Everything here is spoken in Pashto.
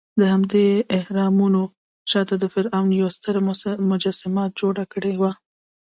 دهمدې اهرامونو شاته د فرعون یوه ستره مجسمه جوړه کړې وه.